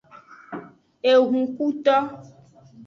Ehunkuto.